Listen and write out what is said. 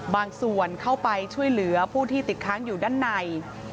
ส่วนเข้าไปช่วยเหลือผู้ที่ติดค้างอยู่ด้านใน